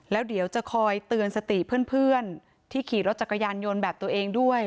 แล้วเดี๋ยวจะคอยเตือนสติเพื่อนที่ขี่รถจักรยานยนต์แบบตัวเองด้วย